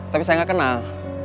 tapi saya gak kenal